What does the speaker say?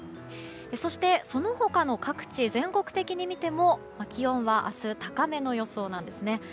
そして、その他の各地全国的に見ても気温は明日高めの予想なんですね。